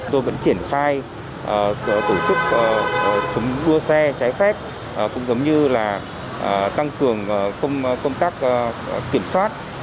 tôi vẫn triển khai tổ chức chống đua xe trái phép cũng giống như là tăng cường công tác kiểm soát